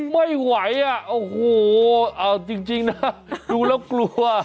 ไม่ไหวอ่ะโอ้โหเอาจริงนะดูแล้วกลัว